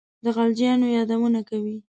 د غلجیو یادونه کوي.